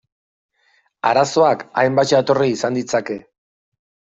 Arazoak hainbat jatorri izan ditzake.